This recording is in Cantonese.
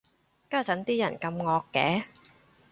家陣啲人咁惡嘅